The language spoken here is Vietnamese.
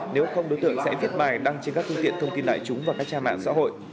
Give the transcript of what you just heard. nếu không đối tượng sẽ viết bài đăng trên các thông tin lại chúng và các trang mạng xã hội